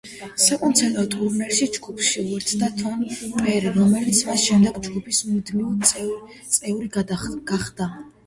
საკონცერტო ტურნეში ჯგუფს შეუერთდა დონ პერი, რომელიც მას შემდეგ ჯგუფის მუდმივი წევრი გახდა.